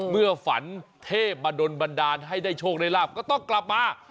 เมื่อฝันเทพมาโดนบันดาลให้ได้โชคได้ลาบก็ต้องกลับมา